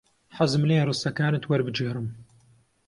حەزم لێیە ڕستەکانت وەربگێڕم.